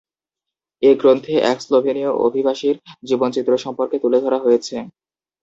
এ গ্রন্থে এক স্লোভেনীয় অভিবাসীর জীবন-চিত্র সম্পর্কে তুলে ধরা হয়েছে।